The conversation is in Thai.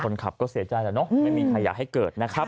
คนขับก็เสียใจแล้วเนอะไม่มีใครอยากให้เกิดนะครับ